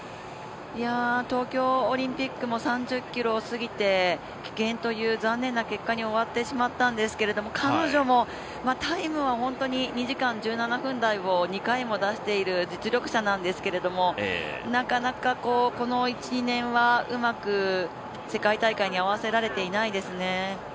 東京オリンピックも３０ｋｍを過ぎて棄権という残念な結果に終わってしまったんですけど彼女もタイムは本当に２時間１７分台を２回も出している実力者なんですけどなかなかこの１２年はうまく世界大会に合わせられていないですね。